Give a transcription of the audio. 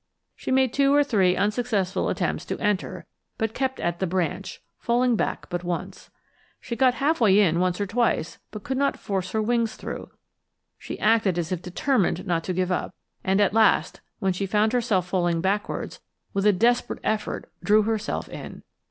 She made two or three unsuccessful attempts to enter, but kept at the branch, falling back but once. She got half way in once or twice, but could not force her wings through. She acted as if determined not to give up, and at last, when she found herself falling backwards, with a desperate effort drew herself in.